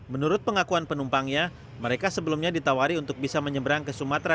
menurut pengakuan penumpangnya mereka sebelumnya ditawari untuk bisa menyeberang ke sumatera